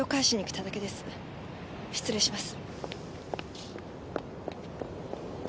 失礼します。